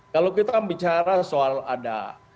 kalau kita bicara soal ada